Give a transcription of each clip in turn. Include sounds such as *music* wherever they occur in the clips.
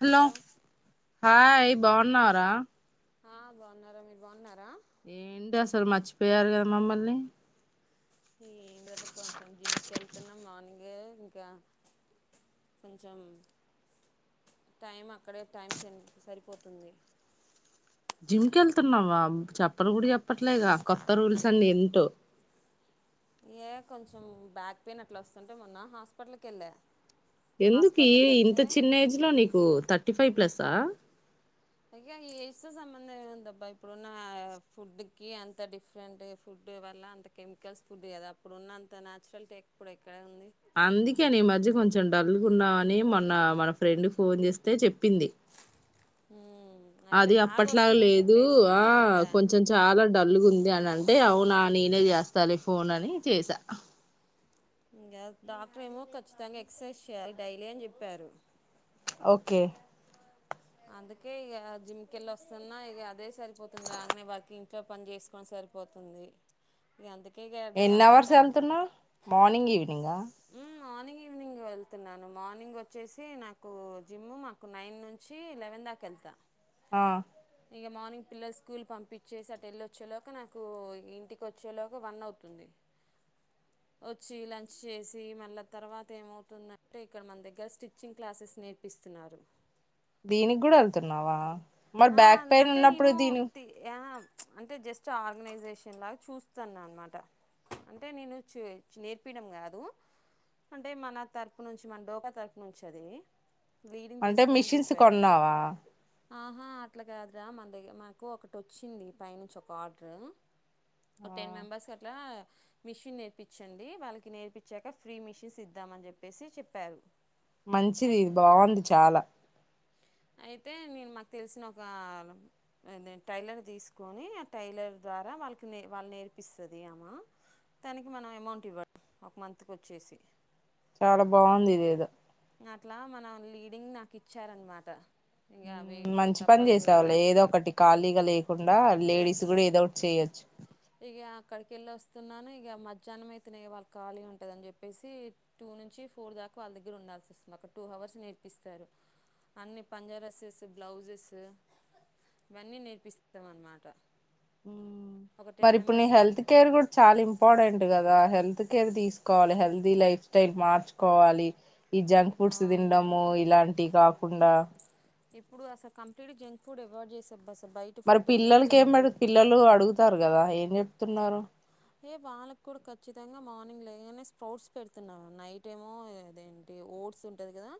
Hello hi బాగున్నారా ఆ బాగున్నా రా మీరు బాగున్నారా ఏంటి అసలు మర్చిపోయారు కదా మమ్మల్ని ఏ ఏంటిదబ్బా కొంచం జిమ్కి ఎళ్తున్నాం మార్నింగ్ ఇంకా కొంచెం టైం అక్కడే టైం సెండ్ సరిపోతుంది. జిమ్కెళ్తున్నావా చెప్పన్ గుడా చెప్పట్లేగా కొత్త రూల్స్ అన్ని ఏంటో ఏ కొంచం బ్యాక్ పెయిన్ అట్లా వస్తుంటే మొన్న హాస్పిటల్కెళ్ళా ఎందుకు ఈ ఇంత చిన్న ఏజ్లో నీకు త థర్టీ ఫైవ్ ప్లసా అయ్య ఏజ్తో సంబంధం ఏం ఉందబ్బా ఇప్పుడున్న ఫుడ్ కి అంత డిఫరెంట్ ఫుడ్ వల్ల అంత కెమికల్స్ ఫుడ్ కదా అప్పుడున్న అంత నాచురల్టి ఇప్పుడు ఎక్క అందుకేనా ఈ మధ్య కొంచ చం డల్గున్నావని మొన్న మన ఫ్రెండ్ ఫోన్ చేస్తే చెప్పింది. హ్మ్! అది అప్పట్లాగ లేదు, ఆ వెళ్ళా కొంచెం చాలా డల్ గా ఉంది. అని అంటే అంటే అవునా నేనే చేస్తాలే ఫోన్ అని చేసా. ఇంకా డాక్టర్ ఏమో ఖచ్చితంగా ఎక్సర్సైజ్ చెయ్యాలి డైలీ అని చెప్పారు. ఓకే. అందుకే ఇక జిమ్ కి వెళ్ళి వస్తున్నా ఇక అదే! సరిపోతుంది ఇంకా రాంగానే వర్కింగ్. ఇంట్లో పని చేసుకొని సరిపోతుంది ఇక అందుకే, ఇక ఎన్ని అంత అవర్స్ కంటి వెళ్తున్నావ్ మార్నింగ్ ఈవెనింగ్ ఆ మార్నింగ్ ఈవినింగ్ వెళ్తున్నాను మార్నింగ్ వచ్చేసి నాకు జిమ్ మాకు నైన్ నుంచి. చి లెవెన్ దాకా వెళ్తా. ఆ! ఇక మార్నింగ్ పిల్లలు స్కూల్ పంపించేసి, అటు వెళ్ళి వచ్చేలోపు నాకు ఇంటికి వచ్చేలోకి వన్ అవుతుంది. వచ్చి లంచ్ చేసి, మళ్ళా తర్వాత ఏమవుతుందంటే ఇక్కడ మన దగ్గర స్టిచింగ్ క్లాసెస్ నేర్పిస్తున్నారు. దీనికి కూడా వెళ్తున్నావా? మరి ఆ బ్యాక్ పెయిన్ అంటే ఉన్నప్పుడు నేను దీని తి యా ప్చ్ అంటే జస్ట్ ఆర్గనైజేషన్లా చూస్తాను అనమాట. అంటే నేను చే నేర్పియడం కాదు. అంటే మన తరపు నుంచి మన డోకా తరపు నుంచి అది లీడింగ్ అంటే మెషిన్స్ కొన్నావా? ఆ ఆ అట్లా కాదు రా మన దగ్గర మాకు ఒకటి వచ్చింది పైనుంచి ఒక ఆర్డరు. ఒక ఆ టెన్ మెంబర్స్ అట్లా! మిషిన్ నేర్పించండి వాళ్ళకి నేర్పించాక, ఫ్రీ మిషన్స్ ఇద్దాం అని చెప్పేసి చెప్పారు. మంచిది అయితే బాగుంది చాలా! అయితే నేను మాకు తెలిసిన ఒక అదే టైలర్ తీసుకొని ఆ టైలర్ ద్వారా వాళ్ళకి నే వాళ్ళకి నేర్పిస్తుంది. అమ్మ దానికి మనం అమౌంట్ ఇవ్వాలి ఒక మంత్ కి వచ్చేసి చాలా బాగుంది ఇదేదో అట్లా మన లీడింగ్ నాకు ఇచ్చారనమాట ఇక అవి ఉ కొంత మంచి పని తప్పదు కదా చేసావులే ఏదో ఒకటి ఖాళీగా లేకుండా. లేడీస్ కూడా ఏదోటి చేయొచ్చు. ఇగ అక్కడికి వెళ్ళి వస్తున్నాను. ఇగ మధ్యాహ్నం అయితేనే ఇవాళ ఖాళీగా ఉంటదని చెప్పేసి టూ నుంచి ఫోర్ దాకా వాళ్ళ దగ్గర ఉండాల్సి వస్తుంది. ఒక టూ అవర్స్ నేర్పిస్తారు. అన్ని పంజాబ్ డ్రెస్సెస్, బ్లౌజెస్ ఇవన్నీ నేర్పిస్తాం అన్నమాట. ఒక మరి టెన్ ఇప్పుడు నీ మెంబర్స్కి హెల్త్ కేర్ కూడా చాలా ఇంపార్టెంట్ గదా గా హెల్త్ కేర్ తీసుకోవాలి హెల్దీ లైఫ్ స్టైల్ మార్చుకోవాలి. ఈ జంక్ ఫుడ్స్ అవును తినడము ఇలాంటి కాకు కుండా ఇప్పుడు అసలు కంప్లీట్గా జంక్ ఫుడ్ అవాయిడ్ చేసా ఫర్స్ మరి పిల్లలకి ఏం పెడుతా పిల్లలు అడుగుతారు కదా? ఏం చెప్ తిన్నారు. ఏ వాళ్ళకి కూడా ఖచ్చితంగా మార్నింగ్ లేగానే స్ప్రౌట్స్ పెడుతున్నావు. నైట్ ఏమో అదేంటి ఓట్స్ ఉంటది కదా.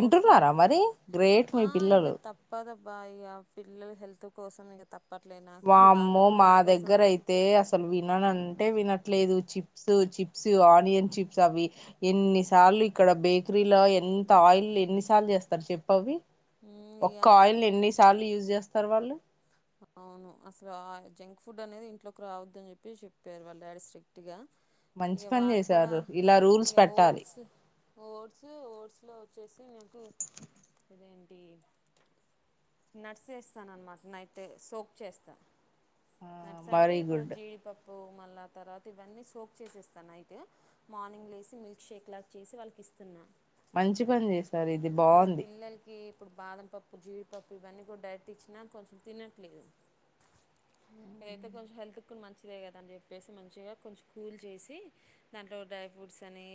ఓట్స్ మరి, గ్రేట్ మీ పిల్లలు. బా ఇగ పిల్లల్ హెల్త్ కోసం ఇక తప్ వామ్మో మా దగ్గర అయితే అసలు వీల్ విన్నన్ అంటే వినట్లేదు. చిప్స్ చిప్స్ ఆనియన్ చిప్స్ అవి ఎన్నిసార్లు ఇక్కడ బేకరీలో ఎంత ఆయిల్ ఎన్నిసార్లు చేస్తారు. చెప్పు అవి ఉమ్, ఒక్క ఇక ఆయిల్ ఎన్నిసార్లు యూజ్ చేస్ తర్ వాళ్ళు అవును అసలు ఆ జంక్ ఫుడ్ అనేది, ఇంట్లోకి రావద్దు అని చెప్పి చెప్పారు. వాళ్ళ డాడీ స్ట్రిక్ట్ గా. మంచి ఇక పని వాళ్ళు కూడా చేశారు ఇలా రూల్స్ ఇక పెట్టాలి ఓట్స్ ఓట్స్ ఓట్స్ లో వచ్చేసి నాకు ఇదేంటి నట్స్ ఏస్తానన్నమాట. నైటే సోప్ చేస్తా. ఆ నట్స్ అంటే వెరీ ఇప్పుడు గుడ్ జీడిపప్పు మళ్ళా తర్వాత ఇవన్నీ సోక్ చేసిస్తాన నైటు మార్నింగ్ లేచి, మిల్క్ షేక్ లాగా చేసి, వాళ్ళకి ఇస్తున్నా. మంచి పని చేస్ ఏ పిల్లలకి ఇప్పుడు బాదం పప్పు జీడ్ పప్పు ఇవన్నీ కూడా డైరెట్ ఇచ్చినా కొంచెం తినట్లేదు. ఏతే కొంచెం హెల్త్ కు మంచిదే కదా అని చెప్పేసి, మంచిగా కొంచెం కూల్ చేసి, దాంట్లో డ్రై ఫ్రూట్స్ అని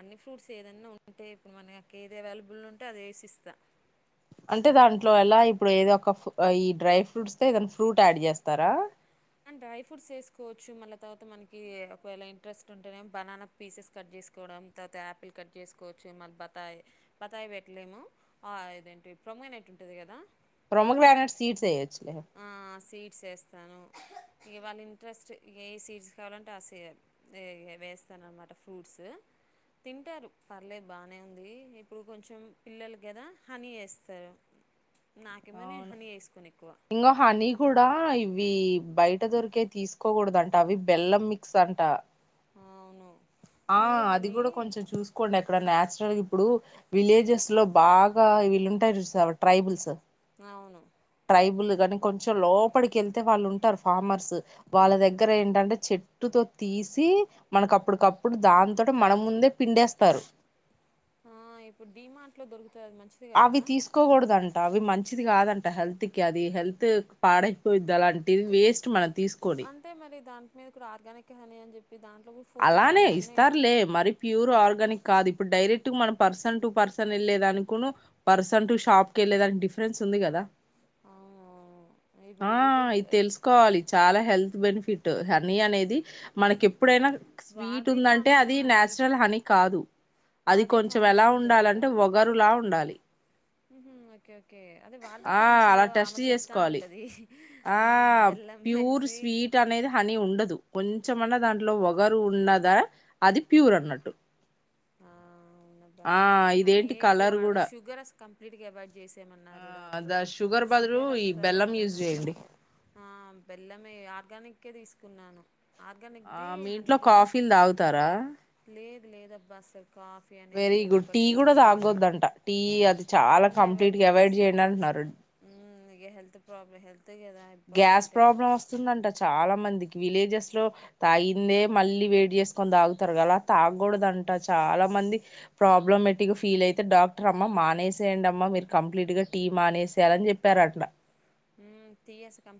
అన్ని ఫ్రూట్స్ ఏదన్నా ఉంటే, ఇప్పుడు మనకి ఏది అవైలబుల్ ఉన్ అది ఏశిస్తా అంటే దాంట్లో ఎలా ఇప్పుడు ఏదో ఒక ఈ డ్రై ఫ్రూట్స్ తో ఏదైనా ఫ్రూట్ యాడ్ చేస్తారా. అండ్ డ్రై ఫ్రూట్స్ వేసుకోవచ్చు. మళ్ళ తర్వాత మనకి ఒకవేళ ఇంట్రెస్ట్ ఉంటేనే బనానా పీసెస్ కట్ జేసుకోవడం. తర్వాత యాపిల్ కట్ జేసుకోవచ్చు. మళ్ళీ బత్తాయి బత్తాయి పెట్టలేము. ఆ ఇదేంటి ప్రొమోనేట్ ఉంటది కదా. ప్రోమోగ్రనైట్ సీడ్స్ ఏయచ్చు. ఆ సీట్ ట్స్ వేస్తాను. ఇగ వాళ్ళ ఇంట్రెస్ట్ ఏ సీడ్స్ కావాలంటే ఆ సి ఈ ఇగ వేస్తాను అన్నమాట. ఫ్రూట్స్ తింటారు పర్లేదు బానే ఉంది. ఇప్పుడు కొంచెం పిల్లలు గదా హనీ ఏస్తారు. నాకేమో నేను అవును హని ఏసుకోను ఎక్కువ. ఇంగో హనీ కూడా ఇవ్వి బయట దొరికే తీసుకోగుడదంట. అవి బెల్లం మిక్స్ అంట. అవును ఆ ప్యూర్ అది హనీ కూడా కొంచెం చూసుకోండి అద్ ఇక్కడ నాచురల్ ఇప్పుడు విలేజెస్ లో బాగా వీళ్ళుంటార్ చూసవ ట్రైబుల్స్. అవును టెంపుల్ గానీ కొంచెం లోపలికి ఎళ్తే వాళ్ళు ఉంటారు. ఫార్మర్స్ వాళ్ళ దగ్గర ఏంటంటే చెట్టుతో తీసీ మనకు అప్ పుడు ఒకప్పుడు దాంతోటే మన ముందే పిండేస్తారు. ఆ ఇపుడు డీమార్ట్ లో దొరుగు అవ్వి తీసుకోగుడద అన్ అవి మంచిది గాదంట హెల్త్ కి అది హెల్త్ క్ పాడైపో ద అలాంటివి వేస్ట్ మనం తీసుకోని మీరు కూడ ఆర్గానిక్ హనీ అని చెప్ అలానే ఇస్తారులే మరి ప్యూర్ ఆర్గానిక్ కాదు ఇప్పుడు డైరెక్ట్ మనం పర్సన్ టు పర్సన్ వెళ్లే దానికును, పర్సన్ టు షాప్ కి వెళ్ళేదాని డి ఫ్రెన్స్ ఉంది గదా. అవునవును ఇప్పుడు ఆ యూట్యూబ్లో ఇద్ తెలుసుకోవాలి. చాలా హెల్త్ బెనిఫిట్. హనీ అనేది ది మనకి ఎప్పుడైనా స్వీట్ వారధి ఉందంటే ఫామ్స్ అది హనీ నచురల్ హనీ కాదు అది వాది కొంచెం ఫార్మ్స్ ఎలా ఉంటది ఉండాలంటే ఒగరులా ఉండాలి మ్మహ్హ్ ఓకే ఓకే ఓకే అది వార్ది ఆ ఫామ్స్ లో అలా ఆమె టెస్ట్ చెప్తా చేసుకోవాలి ఉంటది ఇహ్ ఆ బెల్లం ప్యూర్ వేసి స్వీట్ అనేది హనీ ఉండదు కొంచెమన్నా దాంట్లో ఒగరు ఉన్నదా అది ప్యూర్ అన్నట్టు ఆ అవునబ్బా ఆ ఇగా హనీ ఇదేంటి ఎకువ కలర్ వాడ కూడా షుగర్ అస్ కంప్లీట్గ అవాయిడ్ చేసెయమన్నారు ఆ ద డాక్టర్ బదులు షుగర్ ఈ అసలు బెల్లం యూజ్ వద్దన్నారు చేయండి అమ్ బెల్లమే ఆర్గానికే తీసుకున్నాను ఆర్గానిక్ ఆ ది మీ ఇంట్లో హండ్రెడ్ రూపీస్ కాఫీలు తాగుతారా లేదు లేద అబ్బా అసలు కాఫ్ వెరీ గుడ్ టీ గుడా తాగొద్దంట టీ అది చాలా అన్నీ కంప్లీట్గా అవాయిడ్ చేయండి అంటున్నారు మ్మ్ ఇగ హెల్త్ ప్రాబ్ల హెల్త్ కదా గ్యాస్ ఇంపార్టెంట్ ప్రాబ్లం వస్తుందంట చాలా మందిక్ విలేజెస్ లో తాగిందే మళ్ళీ వేడి చేసుకొని తాగుతారు గదా తగుడాదంట చాలా మంది ప్రాబ్లమెటిక్ గా ఫీల్ అయితే డాక్టర్ అమ్మ మానేసేయండి అమ్మా మీరు కంప్లీట్ గా టీ మానేసేయాలని చెప్పారంట మ్మ్ తీయస్ కం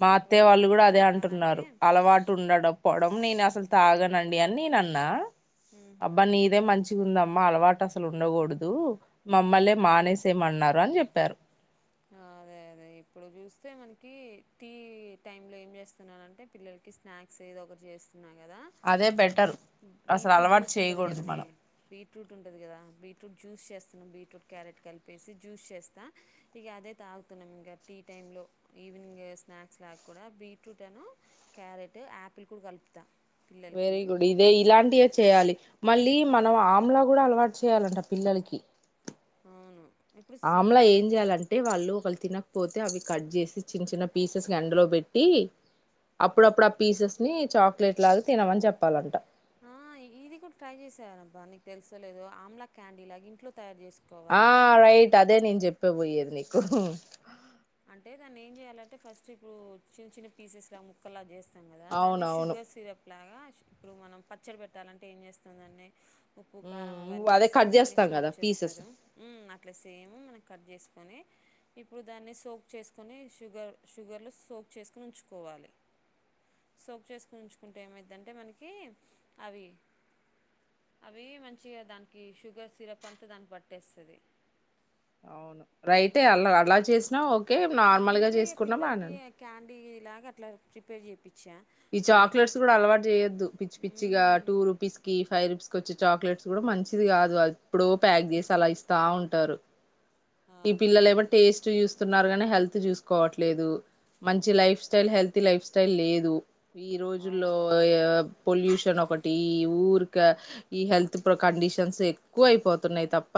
మా అత్తయ్య వాళ్ళు కూడా అదే అంటున్నారు అలవాటు ఉండడం పోవడం నేను అసలు తాగనండి అని నేనన్నా ఊహు అబ్బా నీదే మంచిగా ఉందాం మ్మ అలవాటు అసలు ఉండకూడదు మమ్మల్నే మానేసేయమన్నారు అని చెప్పారు ఆ అదే అదే ఇప్పుడు చూస్తే మనకి టీ టైమ్ లో ఏం చేస్తున్నానంటే పిల్లలకి స్నాక్స్ ఏదో ఒకరు చేస్త్ అదే బెటర్ అసలు బీట్రూట్ అలవాటు జ్యూస్ ఉంటది చేయగుడదు కదనే మనం బీట్రూట్ ఉంటుంది కదా బీట్రూట్ జ్యూస్ చేస్తునం బీట్రూట్ క్యారెట్ కలిపేసి జ్యూస్ చేస్తా ఇగ అదే తాగుతున్నాం ఇంగా టీ టైంలో ఈవినింగ్ స్నాక్స్ లా కూడా బీట్రూట్ అను క్యారెట్ యాపిల్ కుడ కలుపుతా పిల్లలకి వెరీ గుడ్ ఇదే ఇలాంటియే చేయాలి మళ్ళీ మనం ఆమ్లా కూడా అలవాటు చేయాలంట పిల్లలకి అవును ఇప్పుడు సీ ఆమ్లా ఏం చెయ్యాలంటే వాళ్ళు ఒకళు తినకపోతే అవి కట్ చేసి చిన్న చిన్న పీసెస్ ఎండలో పెట్టి అప్పుడప్పుడు ఆ పీసెస్ని చాక్లెట్ లాగా తినమని చెప్పాలంట ఆ ఇది కూడా ట్రై చేసావనబ్బా నీకు తెలుసలేదు ఆమ్లా క్యాండీ లాగా ఇంట్లో తయారు ఆ చేసుకోవాలి రైట్ అదే నేను చెప్ ప్ప పోయిది నకు అంటే దాన్ని ఏం చేయాలంటే ఫస్ట్ ఇప్పుడు చిన్న చిన్న పీసెస్ లా ముక్కలా చేస్త కదా దాన్ని అవునవును షుగర్ సిరప్ ఇట్లాగా ఇప్పుడు మనం పచ్చడి పెట్టాలంటే ఏం చేస్తుందాన్ని ఉప్పు కారం ఉమ్, అవన్నీ అదే వేసి కట్ దాన్ని చేస్తాం సోక్ కదా పీసెస్ చేస్తారు మ్మ్ అట్లా సేమ్ మనం కట్ చేసు ని ఇప్పుడు దాన్ని సోక్ చేసుకొని షుగర్ షుగర్లో సోక్ చేసుకుని ఉంచుకోవాలి సోక్ చేసుకుని ఉంచుకుంటే ఏమైతుంటే మనకి అవి అవి మంచిగా దానికి షుగర్ సిరప్ అంతా దానికి పట్టేస్తుంది రైటే అలా అలా చేసినా ఓ ఓకే నార్మల్గా చేసుకున్నాం ఆనను అంటే ఇలాగా అట్లా ప్రిపేర్ చె ఈ చాక్లెట్స్ కూడా అలవాటు చేయొద్దు పిచ్చి పిచ్చిగా మ్మ్ టూ రూపీస్ కి ఫైవ్ రూపీస్ కొచ్చి చాక్లెట్స్ కూడా మంచిది కాదు ఇప్పుడు ప్యాక్ చేసి అలా ఇస్తా ఉంటారు ఈ అదే పిల్లలు ఏమనా అదే టేస్ట్ చూస్తున్నారు కానీ హెల్త్ చూసుకోవట్లేదు మంచి life style healthy life style లేదు ఈ రోజుల్లో అవును పొల్యూషన్ ఒకటి ఊరిక ఈ హెల్త్ కండిషన్స్ ఎక్కువ అయిపోతున్నాయి తప్ప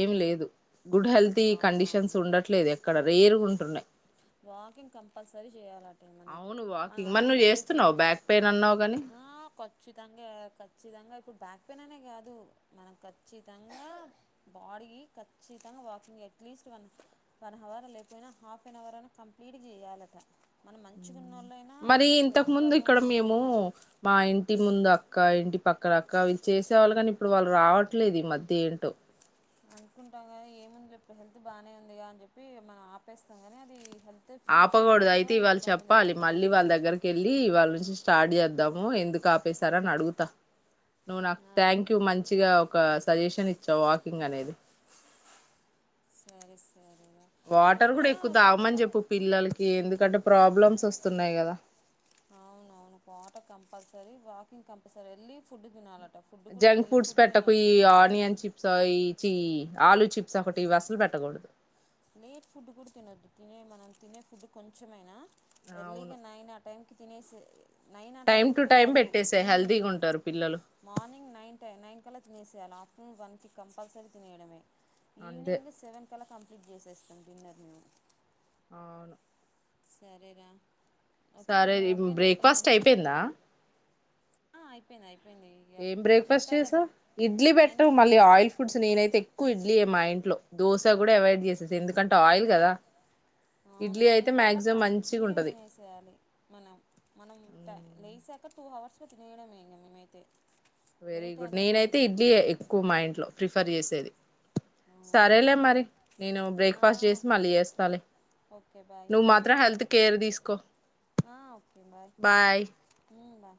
ఏం లేదు గుడ్ హెల్త్ీ కండిషన్స్ అవునవును ఉండట్లేదు ఎక్కడ రేర్గుంటున్నా్ వాకింగ్ కంపల్సరీ చేయాలం అ మనం అవును మనం వాకింగ్ మరి నువ్వు అనుకుంటాం క ఇప్పుడు చేస్తున్నావు మంచి బ్యాక్ పెయిన్ అన్నావు కాని ఆ ఖచ్చితంగా ఖచ్చితంగా ఇప్పుడు బ్యాక్ పెయిన్ అనే కాదు మనం ఖచ్చితంగా బాడీ ఖచ్చితంగా walking at least one one hour లేకపోయినా హాఫ్ ఎన్ అవర్ అన్న కంప్లీట్ చేయాలట ఉమ్ ఉన్నోళ్ళైనా మరి ఇట్లాంటి ఇంతకు హెల్త్ ముందు ప్రాబ్లం ఇక్కడ ఉన్నాను మేము మా ఇ ఇంటి ముందు అక్క ఇంటి పక్కన అక్క ఇవివి చేసేవాళ్ళు కానీ ఇప్పుడు వాళ్ళు రావట్లేదు ఈ మధ్య ఏంటో అనుకుంటాం కానీ ఏముందిప్పుడు హెల్త్ బాగానే ఉందిగా అని చెప్పి మనం ఆపేస్తాం కానీ అది హెల్త్ ఫ్యూచర్లో ఆపకూడదు అయితే కూడా ఇవాళ ఇబ్బంది చెప్పాలి లేకుండా మళ్ళీ ఉంటుంది వాళ్ళ దగ్గరకి వెళ్ళి ఇవాళ్ళ నుంచి స్టార్ట్ చేద్దాము ఎందుకు ఆపేశారని అడుగుతా నువ్వు నాకు అది థ్యాంక్ యూ మంచిగా ఒక సజెషన్ ఇచ్చా వాకింగ్ అనేది సరే స వాటర్ కూడా ఎక్కువ తాగమని చెప్పు పిల్లలకి ఎందుకంటే ప్రాబ్ అవున అవును కోట కంపల్స సరే వాకింగ్ కంపల్సరీ వెళ్లి ఫుడ్డు తినాలి ఆ జంక్ ఫుడ్స్ పెట్టపోయి ఆనియన్ చిప్స్యి అయి చీ ఆలూ చిప్స్ ఒకటి ఇవి ఆసలు పెట్టకూడదు లేట్ ఫుడ్ కూడా తినొద్దు తినే మనం తినే ఫుడ్ కొంచెమైనా ఎర్లింగ్ అవును నైన్ ఆ టైం కి తినేసే నైన్ ఆ టైం టు కుడు కాదు. పెట్టేసే ఉమ్ హెల్తీగా ఉంటారు పిల్లలు మార్నింగ్ నైన్ టై నైన్ కల్లా తినసేయాలి ఆఫ్ హ్మ్మ్ వన్ కి కంపల్సరీ తినయడమే అంతే ఈవనింగ్ సెవన్ కల కంప్లీట్ చేసేస్తాం డిన్నర్ మేము అవును సరే రా ఓకే సరే నను ఓకే నానికి బ్రేక్ఫాస్ట్ మంచిగా ఉందా అయిపోయిందా హెల్త్. ఆ అయిపోయినాయి. ఏం బ్రేక్ ఫాస్ట్ చేసావ్ ఇడ్లీ పెట్టు నైన్ మళ్ళీ ఆయిల్ ఫుడ్స్ నేనైతే *unintelligible* క్కు ఇడ్లియే మా ఇంట్లో దోశ కూడా అవయిడ్ చేసేస ఎందుకంటే ఆయిల్ కదా అవును ఇడ్లీ అయితే నైన్ కల్లా మాక్సిమం మంచిగా కంప్లీట్ గా ఉంటది తినేసేయాలి మనం మనం లేసా క టు అవర్స్ లో తినయడంమే ఇంగ మేమైతే వెరీ లేట్ గుడ్ అనేది నేనైతే ఉండదు ఇడ్లీయే ఎక్కువ మా ఇంట్లో ప్రిఫర్ చేసేది అవును సరేలే మరి, నేను బ్రేక్ ఫాస్ట్ చేసి మళ్ళీ ఏస్తాలే ఓకే బాయ్ నువ్వు మాత్రం హెల్త్ కేర్ తీసుకో బాయ్. బాయ్